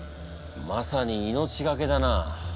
まさに命懸けだな。